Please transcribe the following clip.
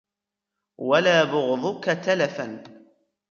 وَلَا بُغْضُك تَلَفًا